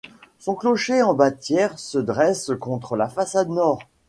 Son clocher en bâtière se dresse contre la façade nord.